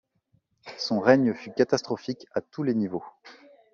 Son règne fut catastrophique à tous les niveaux.